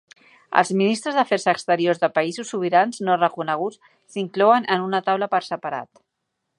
Els ministres d'Afers Exteriors de països sobirans no reconeguts s'inclouen en una taula per separat.